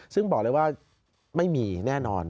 ซึ่งบอกเลยว่าไม่มีแน่นอน